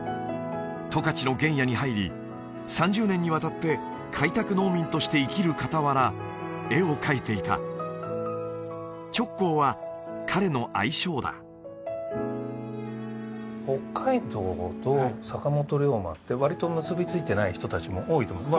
十勝の原野に入り３０年にわたって開拓農民として生きるかたわら絵を描いていた「直行」は彼の愛称だ北海道と坂本龍馬って割と結びついてない人達も多いと思うんです